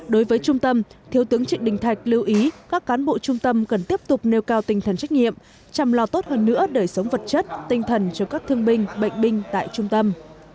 đối với trung tâm thiếu tướng trịnh đình thạch lưu ý các cán bộ trung tâm cần tiếp tục nêu cao tinh thần trách nhiệm chăm lo tốt hơn nữa đời sống vật chất tinh thần cho các thương binh bệnh binh tại trung tâm